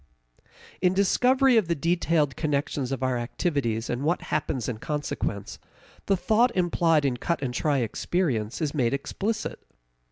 In discovery of the detailed connections of our activities and what happens in consequence, the thought implied in cut and try experience is made explicit.